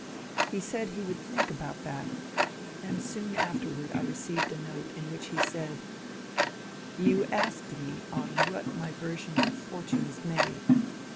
He said he would think about that, and soon after I received a note in which he said :— You asked me on what my version of Fortune is made.